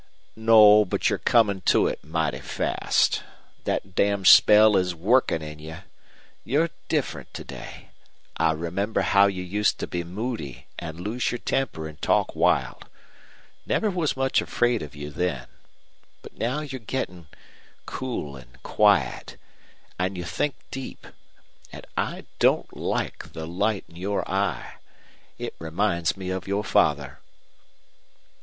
"No, but you're comin' to it mighty fast. That damned spell is workin' in you. You're different to day. I remember how you used to be moody an' lose your temper an' talk wild. Never was much afraid of you then. But now you're gettin' cool an' quiet, an' you think deep, an' I don't like the light in your eye. It reminds me of your father."